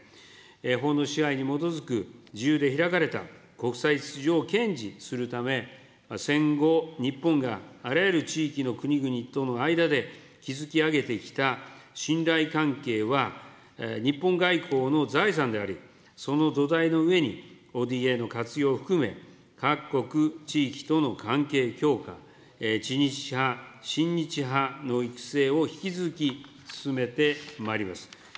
法の支配に基づく自由で開かれた国際秩序を堅持するため、戦後、日本があらゆる地域の国々との間で築き上げてきた信頼関係は、日本外交の財産であり、その土台の上にＯＤＡの活用を含め、各国地域との関係強化、知日派、親日派の育成を引き続き進めてまいります。